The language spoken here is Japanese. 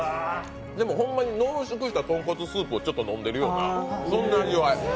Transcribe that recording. ホンマに濃縮した豚骨スープをちょっと飲んでるような味わい。